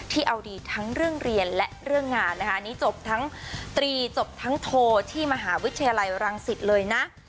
เอาดีทั้งเรื่องเรียนและเรื่องงานนะคะอันนี้จบทั้งตรีจบทั้งโทที่มหาวิทยาลัยรังสิตเลยนะ